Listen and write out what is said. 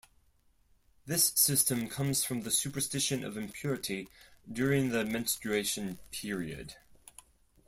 This system comes from the superstition of impurity during the menstruation period.